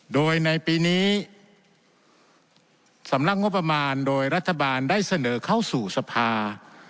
โดยในปีนี้สำนักงบประมาณโดยรัฐบาลได้เสนอเข้าสู่สภา